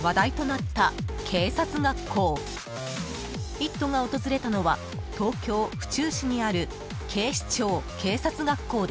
［『イット！』が訪れたのは東京府中市にある］